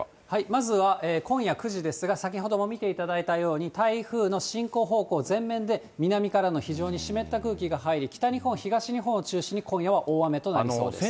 まずは今夜９時ですが、先ほども見ていただいたように、台風の進行方向前面で南からの非常に湿った空気が入り、北日本、東日本を中心に今夜は大雨となりそうです。